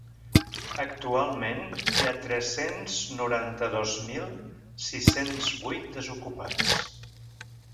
Actualment hi ha tres-cents noranta-dos mil sis-cents vuit desocupats.